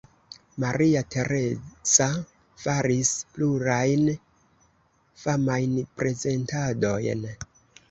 Maria Teresa faris plurajn famajn prezentadojn.